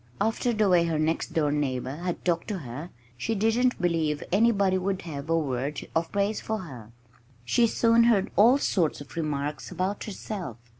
After the way her next door neighbors had talked to her she didn't believe anybody would have a word of praise for her. She soon heard all sorts of remarks about herself.